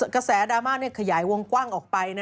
กระแสดราม่าขยายวงกว้างออกไป